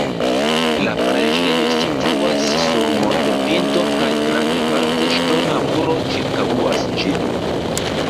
La preĝejo situas sur montopinto kaj grandparte ŝtona muro ĉirkaŭas ĝin.